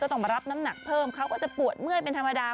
ต้องมารับน้ำหนักเพิ่มเขาก็จะปวดเมื่อยเป็นธรรมดา